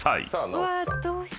うわどうしよう。